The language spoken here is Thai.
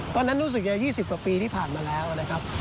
ตอนนั้นรู้สึกจะ๒๐กว่าปีที่ผ่านมาแล้วนะครับ